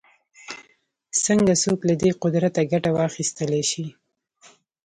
څنګه څوک له دې قدرته ګټه واخیستلای شي